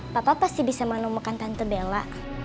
papa pasti bisa menemukan tante bella